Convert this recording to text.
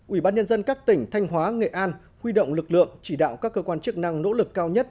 ủy ban nhân dân các tỉnh thanh hóa nghệ an huy động lực lượng chỉ đạo các cơ quan chức năng nỗ lực cao nhất